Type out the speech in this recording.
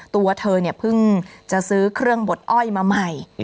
ตัวเธอเนี่ยเพิ่งจะซื้อเครื่องบดอ้อยมาใหม่